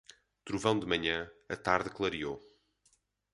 Trovão de manhã, a tarde clareou.